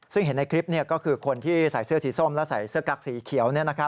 ซึ่งเห็นในคลิปก็คือคนที่ใส่เสื้อสีส้มและใส่เสื้อกั๊กสีเขียว